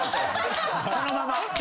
そのまま。